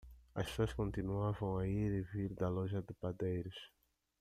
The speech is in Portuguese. As pessoas continuavam a ir e vir da loja de padeiros.